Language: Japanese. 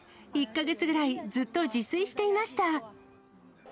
１か月ぐらいずっと自炊していました。